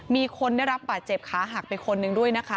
มีคนรับป่าเจ็บขาหักเป็นคนหนึ่งด้วยนะคะ